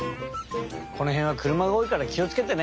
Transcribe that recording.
このへんはくるまがおおいからきをつけてね。